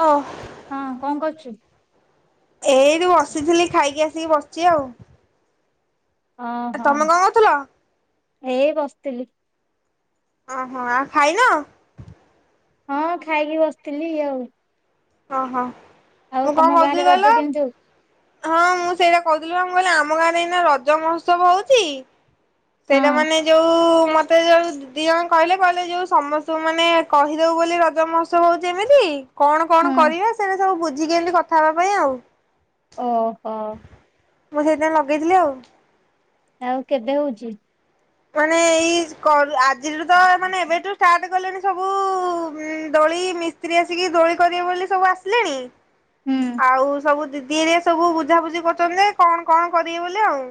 ହଁ। ହଁ କଣ କରୁଛୁ। ଏଇଠୁ ବସିଥିଲି ଖାଇକି ଆସିକି ବସିଛି ଆଉ। ଓହୋ ତମେ କଣ କରୁଥିଲ? ଏଇ ବସିଥିଲି। ଓହୋ ଆଉ ଖାଇନ? ହଁ ଖାଇକି ବସିଥିଲି ଆଉ। ହଁ ହଁ। ଆଉ ମୁଁ କଣ ତମ ଗାଁ ରେ କହୁି ରଜ ଭଲ କେମିତି ହଉ? ହଁ ମୁଁ ସେଇଟା କହୁଥିଲୁ ବା କହିଲେ ଆମ ଗାଁରେ ଏଇନା ରଜ ମହୋତ୍ସବ ହଉଛି ସେଇଟା ହଁ ମାନେ ଯୋଉ ମତେ ଯୋଉି ଦି ଜଣ କହିଲେ କହିଲେ ଯୋଉ ସମସ୍ତଙ୍କୁ ମାନେ କହିଦଉ ବୋଲି ରଜ ମହୋତ୍ସବ ହଉଛି ଏମିତି କଣ କଣ ହୁଁ କରିବା ସେ ସବୁ ବୁଝିକି ଆଣି କଥା ହେବା ପାଇଁ ଆଉ। ଓ ହୋ। ମୁଁ ସେଇଥିନ ଲଗେଇଥିଲି ଆଉ। ଆଉ କେବେ ହଉଛି। ମାନେ ଏଇ କ ଆଜିଠୁ ତ ମାନେ ଏବେଠୁ ଷ୍ଟାର୍ଟ କଲେଣି। ସବୁ ଦୋଳି ମିସ୍ତ୍ରୀ ଆସିକି ଦୋଳି କରିବେ ବୋଲି ସବୁ ଆସିଲେଣି। ହୁଁ ଆଉ ସବୁ ଦିଦି ଦି ଦଏ ସବୁ ବୁଝାବୁଝି କରୁଛନ୍ତି କଣ କଣ କରିବି ବୋଲି ଆଉ।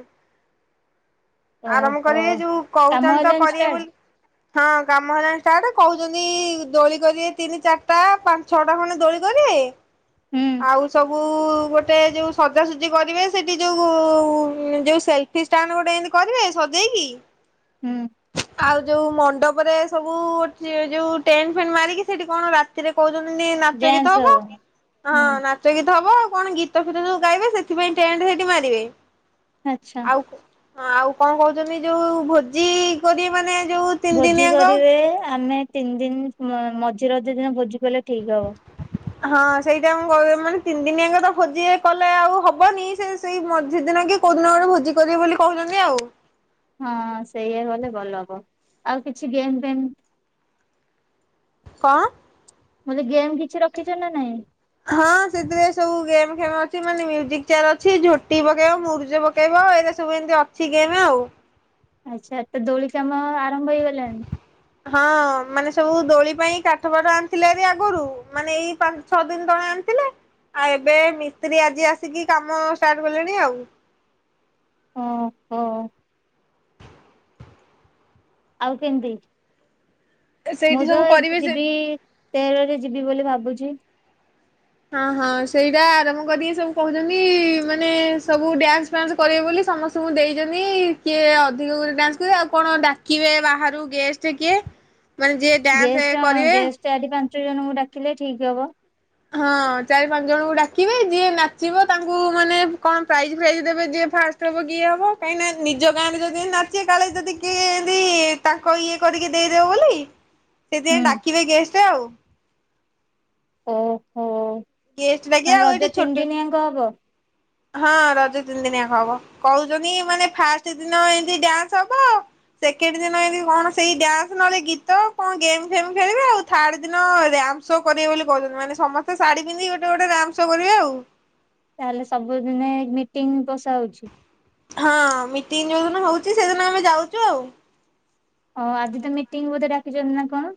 ଆରମ୍ଭ ଓହୋ କରିବେ। ଯୋଉ କାମ କହୁଛନ୍ତି ତ ହେଲାଣି କରିବେ ଷ୍ଟାର୍ଟ? ବୋଲି ହଁ କାମ ହେଲାଣି ଷ୍ଟଟ କହୁଛନ୍ତି ଦୋଳି କରିବେ ତିନି ଚାରିଟା ପାଞ୍ଚ ଛଅଟା ଖଣ୍ଡେ ଦୋଳି କରିବେ। ହୁଁ ଆଉ ସବୁ କୋଉ ଗୋଟେ ଯୋଉ ସଜାସଜି କରିବେ ସେଠି ଯୋଉ ଯୋଉ ସେଲଫିଷ୍ଟାଣ୍ଡ ଗୋଟେ ଏମିତି କରିବେ ସଜେଇକି ହୁଁ ଆଉ ଯୋଉ ମଣ୍ଡପରେ ସବୁ ଯୋଉ ଟେଣ୍ଟ ଫେଣ୍ଟ ମାରିକି ସେଠି କଣ ରାତିରେ କହୁଛନ୍ତି ନାଚ ଗୀତ ହବ ହଁ ହୁଁ ନାଚ ଗୀତ ହବ ଆଉ କଣ ଗୀତ ଫୀତ ଯୋଉ ଗାଇବେ ସେଥିପାଇଁ ଟେଣ୍ଟ ସେଠି ମାରିବେ। ଆଚ୍ଛା ଆଉ ହଁ ଆଉ କଣ କହୁଛନ୍ତି ଯୋଉ ଭୋଜି କରି ମାନେ ଯୋଉ ତିନି ଭୋଜି ଦିନିଆଙ୍କ କରିବେ ଆମେ ତିନି ଦିନ, ମଝି ରଜ ଦିନ ଭୋଜି କଲେ ଠିକ ହବ। ହଁ ସେଇଟା ମୁଁ [unintelligible] ମାନେ ତିନି ଦିନିଆକ ତ ଭୋଜି କଲେ ଆଉ ହବନି ସେ ସେଇ ମଝି ଦିନ କି କୋଉ ଦିନ ଗୋଟେ ଭୋଜି କରିବେ ବୋଲି କହୁଛନ୍ତି ଆଉ। ହଁ ସେଇୟା କଲେ ଭଲ ହବ। ଆଉ କିଛି ଗେମ୍ ଫେମ୍ କଣ? ମୁଁ ଯେ ଗେମ୍ କିଛି ରଖିଛ ନା ନାଇଁ? ହଁ ସେଥିରେ ସବୁ ଗେମ୍ ଖେମ ଅଛି। ମାନେ ମ୍ୟୁଜିକ୍ ବିଚାର ଅଛି ଝୋଟି ପକେଇବ, ମୁରୁଜ ପକେଇବ। ଆଉ ଏ ସବୁ ଏମିତି ଅଛି ଗେମ ଆଉ ଆଚ୍ଛା ତ ଦୋଳି କାମ ଆରମ୍ଭ ହେଇଗଲାଣି? ହଁ ମାନେ ସବୁ ଦୋଳି ପାଇଁ କାଠ ପାଠ ଆଣିଥିଲେ ବି ଆଗରୁ ମାନେ ଏଇ ପାଞ୍ଚ ଛଅ ଦିନ ତଳେ ଆଣିଥିଲେ। ଆଉ ଏବେ ମିସ୍ତ୍ରୀ ଆଜି ଆସିକି କାମ ଷ୍ଟାର୍ଟ କଲେଣି। ଆଉ ଓ ହୋ ଆଉ କେମିତି? ମୁଁ ସେଇଠି ତ ସବୁ ଏବେ କରିବେ ସେ ଯିବି ତେର ଯିବି ବୋଲି ଭାବୁଛି। ହଁ ହଁ ସେଇଟା ଆରମ୍ଭ କରିକି ସବୁ କହୁଛନ୍ତି ମାନେ ସବୁ ଡ୍ୟାନ୍ସ ଫାନ୍ସ କରିବେ ବୋଲି। ସମସ୍ତଙ୍କୁ ଦେଇଛନ୍ତି କିଏ ଅଧିକ ଡ୍ୟାନ୍ସ କରେ ଆଉ କଣ ଡାକିବେ ବାହାରୁ ଗେଷ୍ଟ କିଏ ମାନେ ଯିଏ ଡ୍ୟାନ୍ସ କରିବେ କେତେ ଜଣଙ୍କୁ ଡାକିଲେ ଠିକ ହବ? ହଁ ଚାରି ପାଞ୍ଚ ଜଣଙ୍କୁ ଡାକିବେ। ଯିଏ ନାଚିବ ତାଙ୍କୁ ମାନେ କଣ ପ୍ରାଇଜ ଫାଇଜ ଦେବେ ଯିଏ ଫାଷ୍ଟ ହବ କିଏ ହବ କାହିଁକିନା ନିଜ ଗାଁରେ ଯଦି ନାଚେ କାଳେ ଯଦି କିଏ ଏତି ତାଙ୍କ ଇଏ କରିକି ଦେଇଦବ ବୋଲି ସେଥିାଇଁ ହୁଁ ଡାକିବେ ଗେ ଏମିତି ଆଉ ଓହୋ ଗେଷ୍ଟ ଡାକିବେ ମାନେ ଆଉ ରଜ ଏଇଠି ତିନି ଛୋଟ, ଦିନି ଯାଙ୍କ ହବ ହଁ ରଜ ତିନି ଦିନ ଯାକ ହବ କହୁଛନ୍ତି ମାନେ ଫାଷ୍ଟ ଦିନ ଏମତି ଡ୍ୟାନ୍ସ ହବ, ସେକେଣ୍ଡ ଦିନ ଏମିତି କଣ ସେ ଡ୍ୟାନ୍ସ ନହେଲେ ଗୀତ କଣ ଗେମ୍ ଫେମ୍ ଖେଳିବେ, ଆଉ ଥାର୍ଡ ଦିନ ରିୟାମ ଶୋ କରିବେ ବୋଲି କହୁଛନ୍ତି। ମାନେ ସମସ୍ତେ ଶାଢ଼ୀ ପିନ୍ଧିକି ଗୋଟେ ଗୋଟେ ରାମସୋ କରିବେ ଆଉ। ତାହେଲେ ସବୁଦିନେ ମିଟିଂ ବସା ହଉଛି। ହଁ ମିଟିଂ ଯୋଉ ଦିନ ହଉଛି ସେଦିନ ଆମେ ଯାଉଛୁ ଆଉ ହଁ ଆଜି ତ ମିଟିଂ ବୋଧେ ଡାକିଛନ୍ତି ନା କଣ?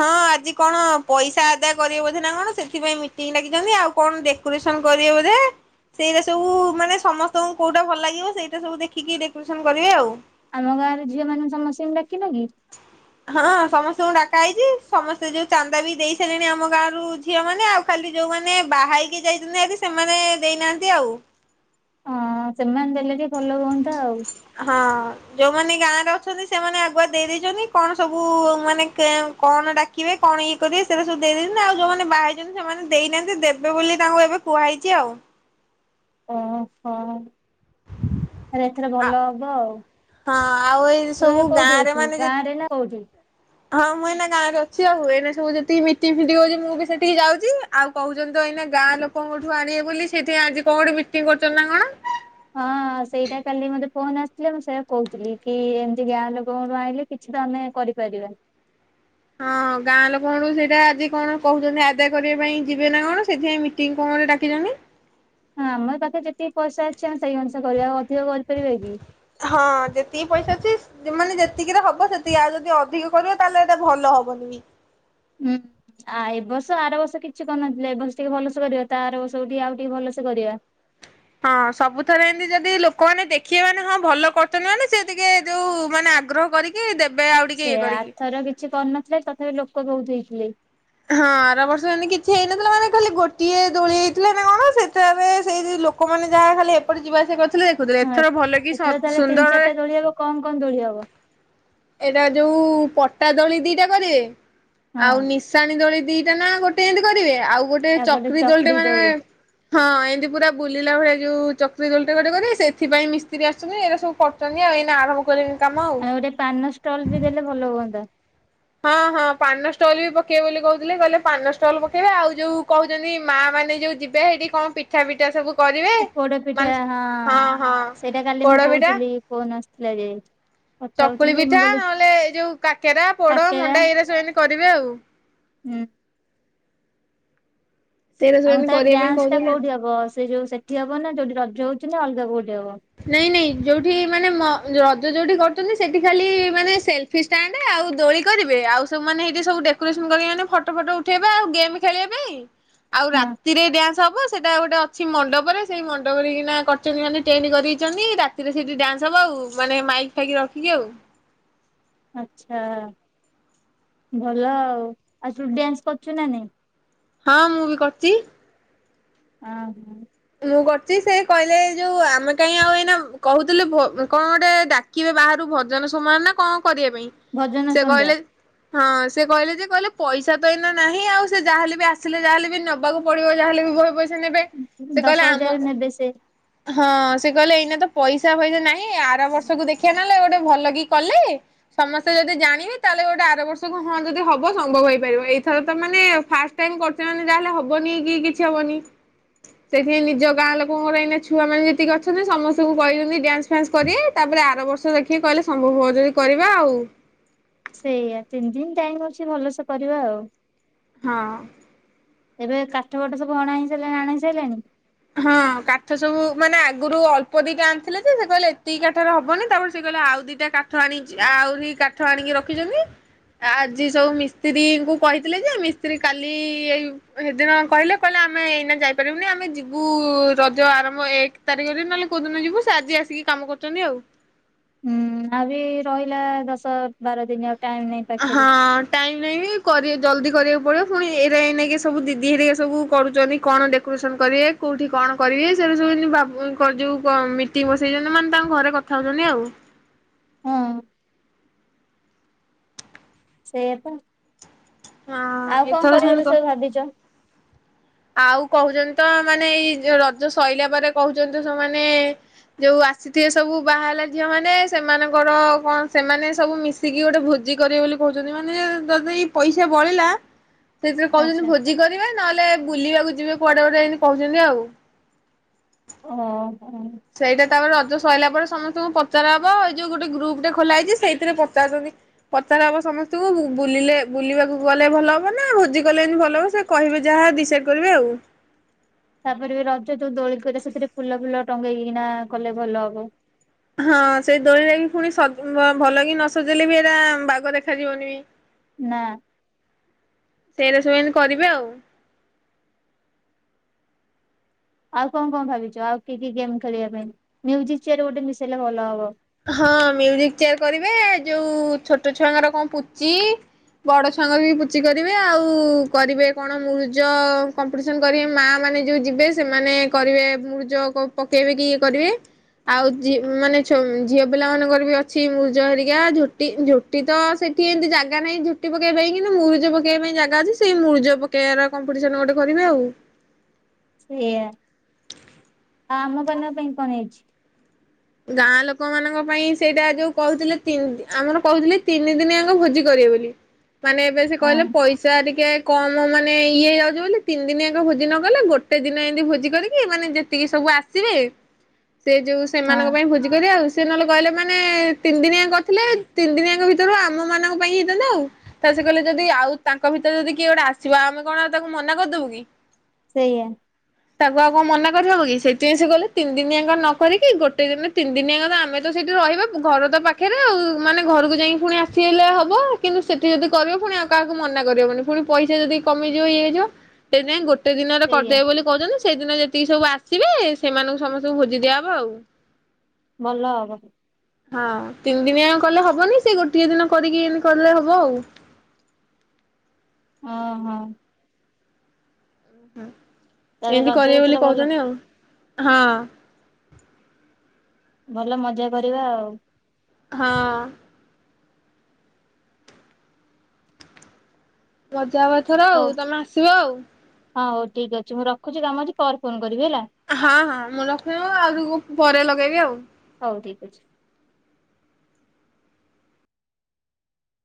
ହଁ ଆଜି କଣ ପଇସା ଆଦାୟ କରିବେ ବଧେ ନା କଣ ସେଥିପାଇଁ ମିଟିଂ ଡାକିଛନ୍ତି। ଆଉ କଣ ଡେକୋରେସନ କରିବେ ବୋଧେ ସେଇଟା ସବୁ ମାନେ ସମସ୍ତଙ୍କୁ କୋଉଟା ଭଲ ଲାଗିବ ସେଇଟା ସବୁ ଦେଖିକି ଡେକୋରେସନ କରିବେ ଆଉ। ଆମ ଗାଁ ରୁ ଝିଅ ମାନଙ୍କୁ ସମସ୍ତେ ଡା ହଁ ସମସ୍ତଙ୍କୁ ଡା କାହେଇଛି ସମସ୍ତେ ଯୋଉ ଚାନ୍ଦା ବି ଦେଇ ସାରିଲେଣି ଆମ ଗାଁ ରୁ ଝିଅ ମାନେ ଆଉ ଖାଲି ଯୋଉମାନେ ବାହାହେଇକି ଯାଇଛନ୍ତି ସେମାନେ ଦେଇନାହାନ୍ତି ଆଉ। ହଁ ସେମାନେ ଦେଲେ ବି ଭଲ ହୁଅନ୍ତା ଆଉ। ହଁ ଯୋଉମାନେ ଗାଁରେ ଅଛନ୍ତି ସେମାନେ ଆଗୁଆ ଦେଇ ଛନ୍ତି କଣ ସବୁ ମାନେ କଣ ଡାକିବେ କଣ ଇଏ କରିବେ ସେଇଟା ସବୁ ଦେଇଦଛନ୍ତି ଆଉ ଯୋଉମାନେ ବହାହେଇଛନ୍ତି ସେମାନେ ଦେଇନାହାନ୍ତି ଦେବେ ବୋଲି ତାଙ୍କୁ ଏବେ କୁହା ହେଇଛି ଆଉ ଓ ହୋ ଆରେ ଏଥର ଆ ଭଲ ହବ ଆଉ। ହଁ ଆଉ ଏଇ ତୁ ସବୁ ଏବେ ଗାଁ କୋଉଠି ରେ ଅଛୁ ମାନେ ଯେ ଗାଁ ରେ ନା କୋଉଠି? ହଁ ମୁଁ ଏଇନା ଗାଁ ରେ ଅଛି। ଆଉ ଏଇନା ସବୁ ଯେତିକି ମିଟିଂ ଫିଟି ହଉଛି ମୁଁ ବି ସେତିକି ଯାଉଛି। ଆଉ କହୁଛନ୍ତି ତ ଏଇନା ଗାଁ ଲୋକଙ୍କଠୁ ଆଣିବେ ବୋଲି ସେଠି ଆଜି କଣ ଗୋଠେ ମିଟିଂ କରୁଛନ୍ତି ନା କଣ? ହଁ ସେଇଟା କାଲି ମତେ ଫୋନ ଆସିଥିଲା ମୁଁ ସେଇଆ କହୁଥିଲି କି ଏମିତି ଗାଁ ଲୋକଙ୍କଠୁ ଆଣିଲେ କିଛି ତ ଆମେ କରିପାରିବା। ହଁ ଗାଁ ଲୋକଙ୍କ ଠୁ ସେଇଟା ଆଜି କଣ କହୁଛନ୍ତି ଆଦାୟ କରିବା ପାଇଁ ଯିବେ ନା କଣ ସେଥିପାଇଁ ମିଟିଂ କଣ ଡାକିଛନ୍ତି। ହଁ ଆମର ପାଖରେ ଯେତିକି ପଇସା ଅଛି ଆମେ ସେଇ ଅନୁସାରେ କରିବା ଅଧିକ କରିପାରିବା କି? ହଁ ଯେତିକି ପଇସା ଅଛି ମାନେ ଯେତିକିରେ ହବ ସେତିକି ଆଉ ଯଦି ଅଧିକ କରିବ ତାହେଲେ ଏଟା ଭଲ ହବନି। ହୁଁ ଏ ବର୍ଷ ଆର ବର୍ଷ କିଛି କରନଥିଲେ ଏ ବର୍ଷ ଟିକେ ଭଲସେ କରିବା ତା ଆର ବର୍ଷ କୁ ଟିକେ ଆଉ ଟିକେ ଭଲସେ କରିବା। ହଁ ସବୁଥରେ ଏମତି ଯଦି ଲୋକମାନେ ଦେଖିବେ ମାନେ ହଁ ଭଲ କରୁଛନ୍ତି ମାନେ ସେ ଟିକେ ଯୋଉ ମାନେ ଆଗ୍ରହ କରିକି ଦେ ସେ ଆରଥର କିଛି କରିନଥିଲେ ତଥାପି ଲୋକ ପୋକ ଵହୁତ ହେଇଥିଲେ। ହଁ ଆର ବର୍ଷ ଏମିତି କିଛି ହେଇନଥିଲା ମାନେ ଖାଲି ଗୋଟିଏ ଦୋଳି ହେଇଥିଲା ନା କଣ ସେଠାରେ ସେଇ ଲୋକମାନେ ଯାହା ଖାଲି ଏପଟେ ଯିବା ଆସିବା କରୁଥିଲେ ଦେଖୁଥିଲେ ହଁ ଭଲ କି ଏଥର ତାହଲେ ସୁନ୍ଦର ତିନି ଚାରିଟା ଦୋଳି ହବ କଣ କଣ ଦୋଳି ହବ? ଏଇଟା ଯୋଉ ପଟା ଦଳି ଦିଟା କରେ ହଁ ଆଉ ନିଶାଣିୀ ଦୋଳି ଦିଟା ନା ଗୋ ଆଉ ଗୋଟେ ଆଉ ଚକ୍ରୀ ଦୋଳିଟା ଚକ୍ରି ମାନେ ଦୋଳି ହଁ ଏମିତି ପୁରା ବୁଲିଲା ଭଳିଆ ଯୋଉ ଚକ୍ରୀ ଦୋଳିଟା ଗୋଟେ କରିବେ ସେଥିପାଇଁ ମିସ୍ତ୍ରୀ ଆସଛନ୍ତି ଏଇଟା ସବୁ କରୁଛନ୍ତି ଆଉ ଏଇନା ଆରମ୍ଭ କରି ଆଉ ଗୋଟେ ପାନ ଷ୍ଟଲ ବି ଦେଲେ ଭଲ ହୁଅନ୍ତା। ହଁ ହଁ ପାନ ଷ୍ଟଲ ବି ପକେଇବେ ବୋଲି କହୁଥିଲେ କହିଲେ ପାନ ଷ୍ଟଲ ପକେଇବେ। ଆଉ ଯୋଉ କହୁଛନ୍ତି ମା ମାନେ ଯୋଉ ଯିବେ ହେରି କଣ ପିଠା ପିଠା ସବୁ କରିବେ ସେ ପୋଡ ମାନେ ପିଠା ହଁ ସେଇଟା କାଲି ମୁଁ ପୋଡପିଠା କହୁଥିଲି ଫୋନ୍ ଆସି ଲାଗେ ଚକୁଳି ପିଠା, ନହେଲେ ଏଇ ଯୋଉ କାକେରା, ପୋଡ, କାକେରା ମଣ୍ଡା, ଏଇରା ସବୁ କରିବେ ଆଉ। ହୁଁ ସେଇରା ସବୁ ଆଉ ଏମିତି ତ କରିବା ପାଇଁ ଡାନ୍ସ ଟା କହୁଛନ୍ତି। କୋଉଠି ହବ? ସେ ଯୋଉ ସେଠି ହବ ନା ଯୋଉଠି ରଜ ହଉଛି କି ନା ଅଲଗା କଉଠି? ନାଇଁ ନାଇଁ ଯୋଉଠି ମାନେ ମ ଯ ଯୋଉଠି କରୁଛନ୍ତି ସେଠି ଖାଲି ମାନେ ସେଲଫି ଷ୍ଟାଣ୍ଡ ଆଉ ଦୋଳି କରିବେ। ଆଉ ସବୁମାନେ ସବୁ ଡେକୋରେସନ କରି ମାନେ ଫଟୋ ଫଟ ଉଠେଇଵା ଆଉ ଗେମ୍ ଖେଳିବା ପାଇଁ। ଆଉ ହଁ ରାତିରେ ଡ୍ୟାନ୍ସ ହବ। ସେଇଟା ଗୋଟେ ଅଛି ମଣ୍ଡପରେ ସେଇ ମଣ୍ଡପରେ କିନା କରଛନ୍ତି ମାନେ ଟେଣ୍ଟ ଦେଇଛନ୍ତି ରାତିରେ ସେଠି ଡ୍ୟାନ୍ସ ହବ ଆଉ ମାନେ ମାଇକ୍ ଫାଇକ ରଖିକି ଆଉ। ଆଛା ଭଲ ଆଉ। ତୁ ଡ୍ୟାନ୍ସ କରୁଛୁ ନା ନାଇଁ? ହଁ ମୁଁ ବି କରିଛି। ହଁ ହଁ ମୁଁ କରୁଛି ସେ କହିଲେ ଏ ଯୋଉ ଆମେ କାହିଁ ଆଉ ଏଇନା କହୁଥିଲେ କଣ ଗୋଟେ ଡାକିବେ ବାହାରୁ ଭଜନ ସମାନ ନା କଣ? କରିବା ପାଇଁ। ଭଜନ ସେ ସନ୍ଧ୍ୟା କହିଲେ ହଁ ସେ କହିଲେ ଯେ କହିଲେ ପଇସା ତ ଏଇନା ନାହିଁ। ଆଉ ସେ ଯାହାେଲେ ବି ଆସିଲେ ଯାହାଲେ ବି ନେବାକୁ ପଡିବ ଯାହାେଲେ ବି ପଇ ସେ ନେବେ। ସେ ଦଶ କହିଲେ ଆମ ହଜାର ନେବେ ସେ ହଁ ସେ କହିଲେ ଏଇନା ତ ପଇସା ଫଇସା ନାଇଁ। ଆର ବର୍ଷକୁ ଦେଖିବା ନେଲେ ଗୋଟେ ଭଲ କି କଲେ ସମସ୍ତେ ଯଦି ଜାଣିବେ ତାହେଲେ ଗୋଟେ ଆର ବର୍ଷକୁ ହଁ ଯଦି ହବ ସମ୍ଭବ ହେଇପାରିବ। ଏଇଥର ତ ମାନେ ଫାଷ୍ଟ ଟାଇମ୍ କରୁଛେ ମାନେ ଯାହେଲେ ହବନି କି କିଛି ହବନି ସେଥିପାଇଁ ନିଜ ଗାଁ ଲୋକଙ୍କର ଏଇନା ଛୁଆ ମାନେ ଯେତିକି ଅଛନ୍ତି ସମସ୍ତଙ୍କୁ କହିଛନ୍ତି ଡ୍ୟାନ୍ସ ଫନ୍ସ କରିବେ। ତାପରେ ଆର ବର୍ଷ ଦେଖିକି କହିଲେ ସମ୍ଭବ ହଉ ଯଦି କରିବା ଆଉ। ସେଇଆା ତିନି ଦିନ ଟାଇମ ଅଛି ଭଲସେ କରିବା ଆଉ। ହଁ ଏବେ କାଠ ଗଟ ସବୁ ଅଣା ହେଇ ସାରିଲଣି ନା ଆଣ ହେଇ ସାରିଲଣି ହଁ କାଠ ସବୁ ମାନେ ଆଗରୁ ଅଳ୍ପ ଦିଟା ଆଣିଥିଲେ। ଯେ ସେ କହିଲେ ଏତିକି କାଠରେ ହବନି ତାପରେ ସେ କହିଲା ଆଉ ଦିଟା କାଠ ଆଣିଛି ଆହୁରି କାଠ ଆଣିକି ରଖିଛନ୍ତି। ଆଜି ସବୁ ମିସ୍ତ୍ରୀଙ୍କୁ କହିଥିଲେ ଯେ ମିସ୍ତ୍ରୀ କାଲି ଏଇ ସେଦିନ କହିଲେ କହିଲେ ଆମେ ଏଇନା ଯାଇପାରିବୁନି ଆମେ ସବୁ ରଜ ଆରମ୍ଭ ଏକ ତାରିଖରେ ନହେଲେ କୋଉ ଦିନ ଯିବୁ ସେ ଆଜି ଆସିକି କାମ କରୁଛନ୍ତି ଆଉ। ହୁଁ ଆ ବି ରହିଲା ଦଶ ବାର ଦିନିଆ ହଁ ଟାଇମ୍ ନାଇଁ ବି କରିବେ ଜଲଦି କରିବାକୁ ପଡିବ, ପୁଣି ଏ ଏ ନେଇକି ସବୁ ଦିଦି ହେରିକା ସବୁ କରୁଛନ୍ତି କଣ ଡେକୋରେସନ କରିବେ କୋଉଠି କଣ କରିବେ। ସେ ଗୁରା ସବୁ ଏମିତି ଭା ଯୋଉ ମିଟିଂ ବସେଇଛନ୍ତି ମାନେ ତାଙ୍କ ଘରେ କଥା ହଉଛନ୍ତି ଆଉ। ହଁ ଶେୟପା ହଁ ଆଉ କଣ ଏଥର କରିବ ସେମିତି ବୋଲି କ ସବୁ ଭାବିଛ? ଆଉ କହୁଛନ୍ତି ତ ମାନେ ଏଇ ଯୋଉ ରଜ ସଇଲା ପରେ କହୁଛନ୍ତି ତ ସେମାନେ ଯୋଉ ଆସିଥିବେ ସବୁ ବାହାହେଲା ଝିଅ ମାନେ ସେମାନଙ୍କର କଣ ସେମାନେ ସବୁ ମିଶିକି ଗୋଟେ ଭୋଜି କରିବେ ବୋଲି କହୁଛନ୍ତି। ମାନେ ଯଦି ଏଇ ପଇସା ବଳିଲା ସେଥିରେ କହୁଛନ୍ତି ଆଚ୍ଛା। ଭୋଜି କରିବେ ନହେଲେ ବୁଲିବାକୁ ଯିବେ କୁଆଡେ ଗୋଟେ ଏମତି କହୁଛନ୍ତି ଆଉ। ଓ ହୋ ସେଇଟା ତାପରେ ରଜ ସରିଲା ପରେ ସମସ୍ତଙ୍କୁ ପଚାର ହବ ଏଇ ଯୋଉ ଗୋଟେ ଗ୍ରୁପ ଟା ଖୋଲା ହେଇଛି ସେଇଥିରେ ପଚାରଛନ୍ତି ପଚାର ହବ ସମସ୍ତଙ୍କୁ ବୁଲିଲେ ବୁଲିବାକୁ ଗଲେ ଭଲ ହବ ନା ଭୋଜି କଲେ ବି ଭଲ ହବ ସେ କହିବେ ଯାହା ଡିସାଇଡ କରିବେ ଆଉ। ତାପରେ ବି ରଜ ସେ ଯୋଉ ଦୋଳିିକ ସେଥିରେ ଫୁଲ ଫୁଲ ଟଙ୍ଗେଇକିନା କଲେ ଭଲ ହବ। ହଁ ସେଇ ଦୋଳି ଯାଇକି ପୁଣି ଭଲ କିି ନ ସଜିଲଲେ ବି ଏଇଟା ବାଗ ଦେଖାଯିବନି। ନା ସେଇଟା ସବୁ ଏମିତି କରିବେ ଆଉ। ଆଉ କଣ କଣ ଭାବିଛ? ଆଉ କି କି ଗେମ ଖେଳିବା ପାଇଁ, ମ୍ୟୁଜିକ୍ ଚେୟାର୍ ଗୋଟେ ମିଶେଇଲେ ଭଲ ହବ। ହଁ ମ୍ୟୁଜିକ୍ ଚେୟାର୍ କରିବେ, ଯୋଉ ଛୋଟ ଛୁଆଙ୍କର କଣ ପୁଚି ବଡ ଛୁଆଙ୍କର ବି ପୁଚି କରିବେ। ଆଉ କରିବେ କଣ ମୁରୁଜ କମ୍ପିଟିସନ୍ କରିବେ। ମା ମାନେ ଯୋଉ ଯିବେ ସେମାନେ କରିବେ ମୂରୁଜ ପକେଇବେ କି ଇଏ କରିବେ ଆଉ ମାନେ ଝିଅ ପିଲାମାନଙ୍କର ବି ଅଛି ମୁରୁଜ ହେରିକା ଝୋଟି ଝୋଟି ତ ସେଠି ଏମିତି ଜାଗା ନାହିଁ ଝୋଟି ପକେଇବା ପାଇଁ କିନ୍ତୁ ମରୁଜ ପକେଇବା ପାଇଁ ଜାଗା ଅଛି ସେଇ ମରୁଜ ପକେଇବାର କମ୍ପିଟିସନ ଗୋଟେ କରିବେ ଆଉ। ସେଇଆ ଆ ଆମ ମାନଙ୍କ ପାଇଁ କଣ ହେଇଛି? ଗାଁ ଲୋକମାନଙ୍କ ପାଇଁ ସେଇଟା ଯୋଉ କହୁଥିଲେତିନି ଆମର କହୁଥିଲେ ତିନି ଦିନି ଯାକ ଭୋଜି କରିବେ ବୋଲି। ମାନେ ଏବେ ସେ ହଁ କହିଲେ ପଇସା ଟିକେ କମ ମାନେ ଇଏ ଯାଉଛେ ବୋଲି ତିନି ଦିନି ଯାକ ଭୋଜି ନ କଲେ ଗୋଟେ ଦିନ ଏମତି ଭୋଜି କରିକି ମାନେ ଯେତିକି ସବୁ ଆସିବେ ସେ ଯୋଉ ସେମାନଙ୍କ ହଁ ପାଇଁ ଭୋଜି କରିବା ଆଉ। ସେ ନହେଲେ କହିଲେ ମାନେ ତିନି ଦିନିଆ କରିଥିଲେ। ତିନି ଦିନିଆଙ୍କ ଭିତରୁ ଆମ ମାନଙ୍କ ପାଇଁ ହେଇଥାନ୍ତା ଆଉ ତା ସେ କହିଲେ ଯଦି ଆଉ ତାଙ୍କ ଭିତରେ ଯଦି କିଏ ଗୋଟେ ଆସିବା ଆମେ କଣ ତାକୁ ମନା କରିଦବୁ କି? ସେଇୟା। ତାକୁ ଆଉ କଣ ମନା କରିବ କି? ସେଥିପଁ ସେ ଗଲେ ତିନି ଦିନିଆାଙ୍କା ନକିକି କି ଗୋଟେ ଦିନ ତିନି ଦିନି ଯ କଥା ଆମେ ତ ସେଇଠି ରହିବା ଘର ତ ପାଖରେ ଆଉ ମାନେ ଘରକୁ ଯାଇକି ପୁଣି ଆସି ହେଲେ ହବ। କିନ୍ତୁ ସେଠି ଯଦି କରିବ ପୁଣି ଆଉ କାହାକୁ ମନା କରିହବନି ପୁଣି ପଇସା ଯଦି କମିଯିବ ଇ ହେଇଯିବ ସେଥିାଇଁ କେତେ ଦିନରେ ସେଇଆ କରିଦେବେ ବୋଲି କହୁଛନ୍ତି। ସେଦିନ ଯେତିକି ସବୁ ଆସିବେ ସେମାନଙ୍କୁ ସମସ୍ତଙ୍କୁ ଭୋଜି ଦିଆହେବ ଆଉ ଭଲ ହବ। ହଁ ତିନି ଦିନିଆ କଲେ ହବନି। ସେ ଗୋଟିଏ ଦିନ କରିକି ଏତି କଲେ ହବ ଆଉ ଅ ହଁ। ଉଁ ହୁଁ। ତାହେଲେ ଏମିତି ରଜରେ କରିବେ ବୋଲି ଏଥର ଭଲ କହୁଛନ୍ତି ଆଉ। ହଁ। ଭଲ ମଜା କରିବା ଆଉ। ହଁ। ରଜ ଯିବା ଏଥର ହଉ ଆଉ ତମେ ଆସିବ ଆଉ। ହଁ ହଉ ଠିକ ଅଛି ମୁଁ ରଖୁଚି କାମ ଅଛି, ପରେ ଫୋନ କରିବି ହେଲା। ହଁ ହଁ ମୁଁ ରଖୁଚି ମୁଁ ଆଉ ଦିଗୁ ପରେ ଲଗେଇବି ଆଉ। ହଉ ଠିକ ଅଛି।